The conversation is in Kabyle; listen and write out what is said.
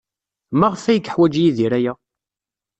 Maɣef ay yeḥwaj Yidir aya?